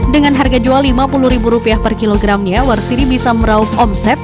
dengan harga jual rp lima puluh per kilogramnya warsiri bisa meraup omset